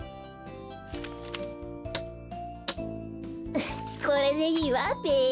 ウフッこれでいいわべ。